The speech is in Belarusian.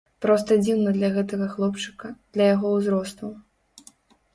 Проста дзіўна для гэтага хлопчыка, для яго ўзросту.